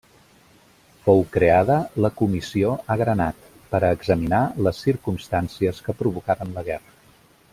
Fou creada la Comissió Agranat per a examinar les circumstàncies que provocaren la guerra.